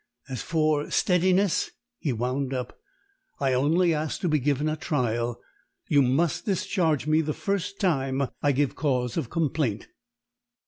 As for steadiness," he wound up, "I only ask to be given a trial. You must discharge me the first time I give cause of complaint."